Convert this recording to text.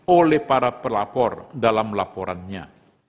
oleh para pelapor dalam laporannya